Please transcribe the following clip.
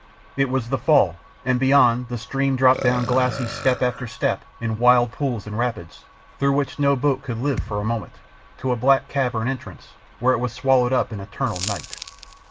It was the fall, and beyond the stream dropped down glassy step after step, in wild pools and rapids, through which no boat could live for a moment, to a black cavern entrance, where it was swallowed up in eternal night.